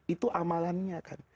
itu amalannya kan